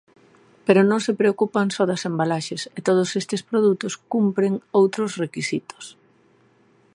Pero non se preocupan só das embalaxes, e todos estes produtos cumpren outros requisitos.